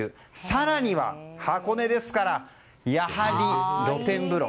更には箱根ですからやはり露天風呂。